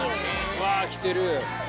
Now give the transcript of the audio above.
うわ着てる。